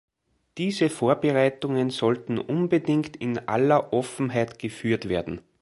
Diese Vorbereitungen sollten unbedingt in aller Offenheit geführt werden.